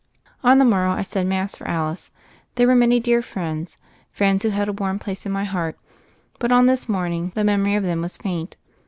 On the morrow I said Mass for Alice. There were many dear friends, friends who held a warm place in my heart, but on this morning 192 THE FAIRY OF THE SNOWS the memory of them was faint.